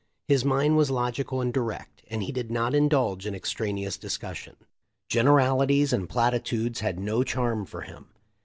His mind was logical and direct, and he did not indulge in extraneous discussion. Generalities and platitudes had no charm for him.